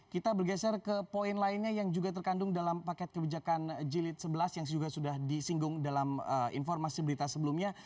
kita bergeser ke poin lainnya yang juga terkandung dalam paket kebijakan jilid sebelas yang juga sudah disinggung dalam informasi berita sebelumnya